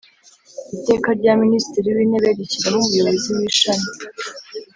Iteka rya Minisitiri w’Intebe rishyiraho Umuyobozi w’Ishami